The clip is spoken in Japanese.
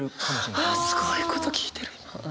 あっすごいこと聞いてる今！